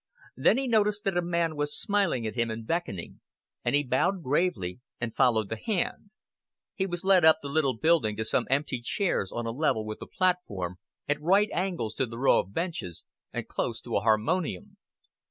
Then he noticed that a man was smiling at him and beckoning, and he bowed gravely and followed the hand. He was led up the little building to some empty chairs on a level with the platform, at right angles to the rows of benches, and close to a harmonium.